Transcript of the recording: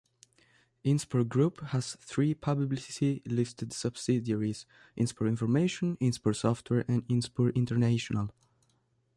Inspur Group has three publicly listed subsidiaries: Inspur Information, Inspur Software and Inspur International.